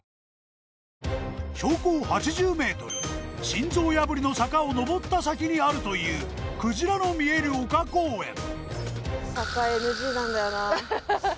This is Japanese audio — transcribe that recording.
心臓破りの坂を上った先にあるというクジラの見える丘公園